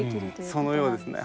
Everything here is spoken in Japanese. そのようですね。